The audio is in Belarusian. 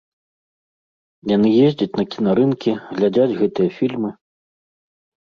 Яны ездзяць на кінарынкі, глядзяць гэтыя фільмы.